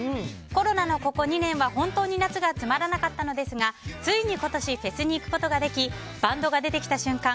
コロナのここ２年は本当に夏がつまらなかったのですがついに今年フェスに行くことができバンドが出てきた瞬間